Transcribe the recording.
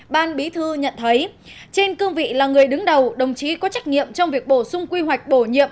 ban bí thư nhận thấy trên cương vị là người đứng đầu đồng chí có trách nhiệm trong việc bổ sung quy hoạch bổ nhiệm